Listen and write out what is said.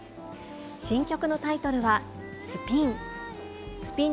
新曲のタイトルは、スピン。